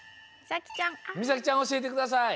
みさきちゃんおしえてください。